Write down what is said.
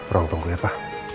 ruang tunggu ya pa